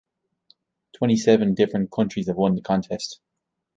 Twenty-seven different countries have won the contest.